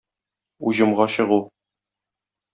Уҗымга чыгу.